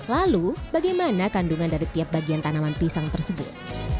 lalu bagaimana kandungan dari tiap bagian tanaman pisang tersebut